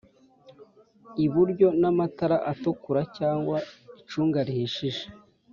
iburyo n' amatara atukura cyagw icuga rihishije